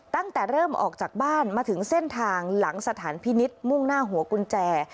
ตั้งแต่เริ่มออกจากบ้านมาถึงเส้นทางหลังสถานพินิษฐ์มุ่งหน้าหัวกุญแจ